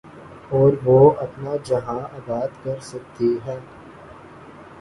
اور وہ اپنا جہاں آباد کر سکتی ہے۔